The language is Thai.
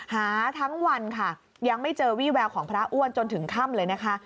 หาทั้งวันค่ะยังไม่เจอวี่แววของพระอ้วนจนถึงค่ำเลยนะคะ